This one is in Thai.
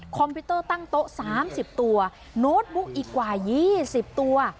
พิวเตอร์ตั้งโต๊ะ๓๐ตัวโน้ตบุ๊กอีกกว่า๒๐ตัว